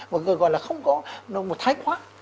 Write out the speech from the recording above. một người gọi là không có một thái khoác